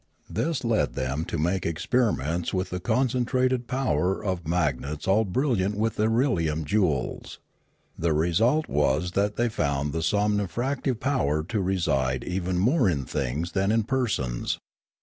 This led them to make experiments with the concentrated power of magnets all brilliant with irelium jewels. The result was that they found the somnifractive power to reside even more in things than in persons.